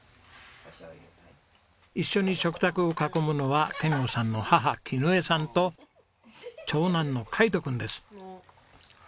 一緒に食卓を囲むのは賢吾さんの母キヌヱさんと長男の海斗君です。